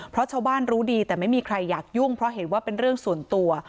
เพราะชาวบ้านรู้ดีแต่ไม่มีใครอยากยุ่งเพราะเห็นว่าเป็นเรื่องส่วนตัว